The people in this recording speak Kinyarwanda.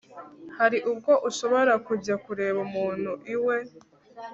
hari ubwo ushobora kujya kureba umuntu iwe